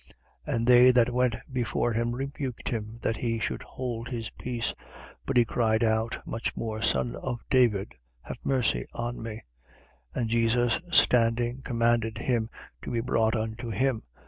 18:39. And they that went before rebuked him, that he should hold his peace: but he cried out much more: Son of David, have mercy on me. 18:40. And Jesus standing, commanded him to be brought unto him.